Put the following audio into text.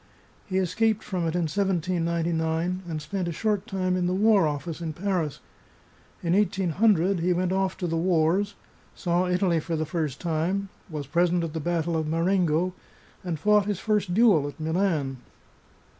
He escaped from it in 1799, and spent a short time in the War Office in Paris. In 1800 he went off to the wars, saw Italy for the first time, was present at the battle of Marengo, and fought his first duel at Milan.